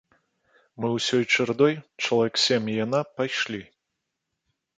Мы ўсёй чарадой, чалавек сем, і яна, пайшлі.